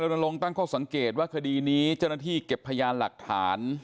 ลงตั้งข้อสังเกตว่าคดีนี้เจ้าหน้าที่เก็บพยานหลักฐาน